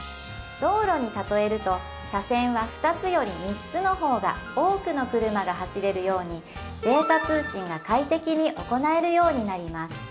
道路に例えると車線は２つより３つの方が多くの車が走れるようにデータ通信が快適に行えるようになります